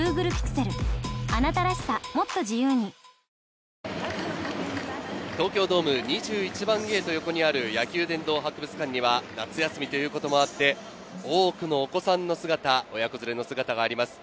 試合前の練習の際、東京ドーム２１番ゲート横にある野球殿堂博物館には夏休みということもあって、多くのお子さんの姿、親子連れの姿があります。